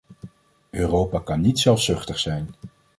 Europa kan niet zelfzuchtig zijn.